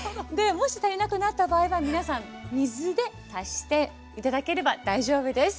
もし足りなくなった場合は皆さん水で足して頂ければ大丈夫です。